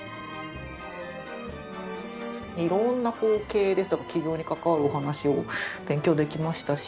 色んな経営ですとか起業に関わるお話を勉強できましたし。